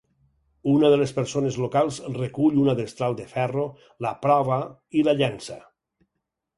Una de les persones locals recull una destral de ferro, la prova i la llença.